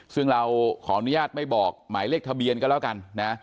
ซึ่งเราขออนุญาตไม่บอกหมายเลขทะเบียนก็แล้วกันนะ